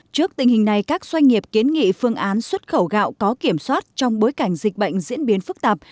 trước tình hình này các doanh nghiệp kiến nghị phương án xuất khẩu gạo có kiểm soát trong bối cảnh dịch bệnh diễn biến phức tạp